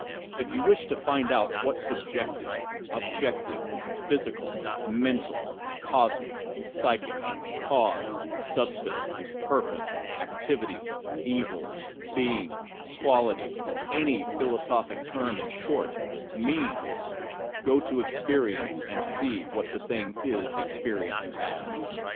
If you wish to find out what subjective, objective, physical, mental, cosmic, psychic, cause, substance, purpose, activity, evil, being, quan tityŌĆöany philosophic term, in shortŌĆö means, go to experience and see what it is experienced as.